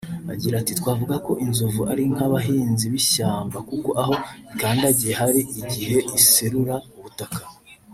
Agira ati “Twavuga ko inzovu ari nk’abahinzi b’ishyamba kuko aho ikandagiye hari igihe iserura ubutaka